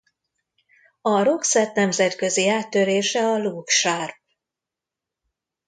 A Roxette nemzetközi áttörése a Look Sharp!